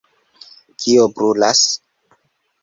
kio brulas?